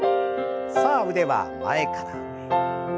さあ腕は前から上へ。